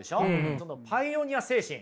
そのパイオニア精神。